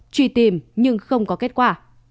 truy tìm nhưng không có kết quả